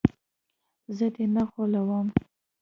زه دې نه غولوم.